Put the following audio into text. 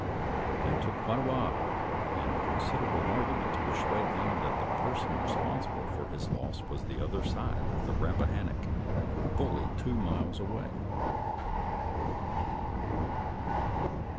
And it took quite a while, and considerable ar gument, to persuade him that the person re sponsible for his loss was on the other side of the Rappahannock, fully two miles away.